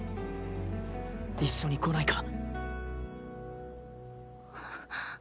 一緒に来ないか？